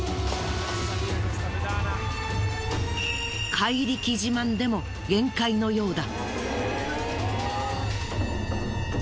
怪力自慢でも限界のようだ。